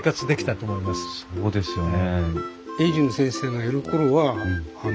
そうですよね。